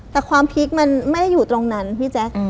แต่ความพีคมันไม่ได้อยู่ตรงนั้นพี่แจ๊ค